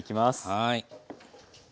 はい。